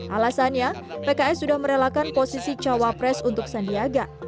alasannya pks sudah merelakan posisi cawapres untuk sandiaga